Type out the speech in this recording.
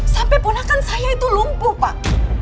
sampai punahkan saya itu lumpuh pak